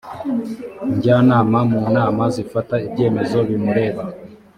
njyanama mu nama zifata ibyemezo bimureba